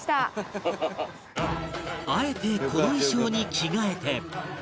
あえてこの衣装に着替えて